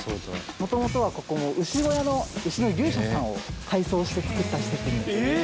元々はここ牛小屋の牛の牛舎さんを改装して造った施設になります。